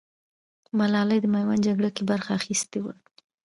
ملالۍ د ميوند جگړه کې برخه اخيستې وه.